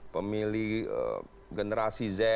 pemilih generasi z